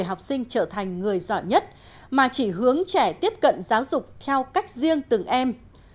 học sinh trở thành người giỏi nhất mà chỉ hướng trẻ tiếp cận giáo dục theo cách riêng từng em